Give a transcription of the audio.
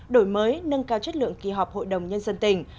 đổi mới nâng cao chất lượng kỳ họp hội đồng nhân dân tỉnh